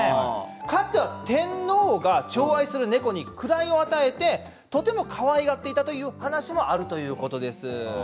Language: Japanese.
かつては天皇がちょう愛する猫に位を与えてとてもかわいがっていたという話もあるということです。